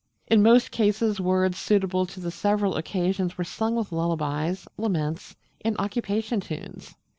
In most cases words suitable to the several occasions were sung with lullabies, laments, and occupation tunes.